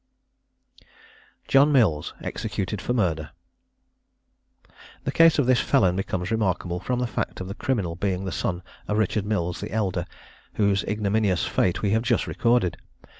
JOHN MILLS. EXECUTED FOR MURDER. The case of this felon becomes remarkable from the fact of the criminal being the son of Richard Mills the elder, whose ignominious fate we have just recorded.